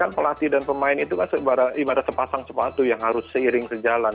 ya tapi pelatih dan pemain itu ibarat sepasang sepatu yang harus seiring sejalan